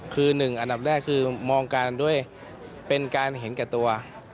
คือหนึ่งอันดับแรกคือมองกันด้วยเป็นการเห็นแก่ตัว